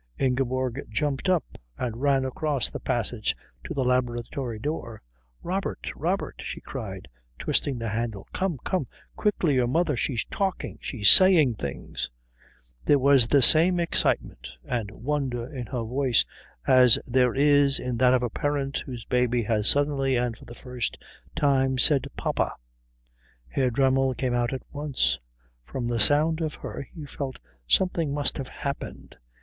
Ingeborg jumped up and ran across the passage to the laboratory door. "Robert Robert," she cried, twisting the handle, "come come quickly your mother she's talking, she's saying things " There was the same excitement and wonder in her voice as there is in that of a parent whose baby has suddenly and for the first time said Papa. Herr Dremmel came out at once. From the sound of her he felt something must have happened.